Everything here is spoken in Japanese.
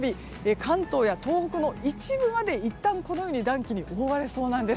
関東や東北の一部までいったんこのように暖気に覆われそうなんです。